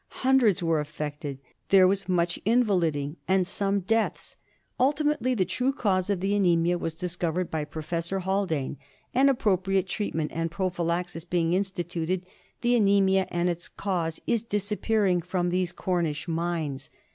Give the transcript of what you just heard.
Hundreds were affected ; there was much invaliding and some deaths. Ultimately the true cause of the anaemia was discovered by Prof. Haldane, and appropriate treat ment and prophylaxis being instituted, the anaemia and its cause is disappearing from these Cornish mines.